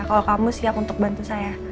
kalau kamu siap untuk bantu saya